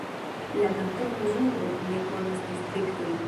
La kantono Zugo ne konas distriktojn.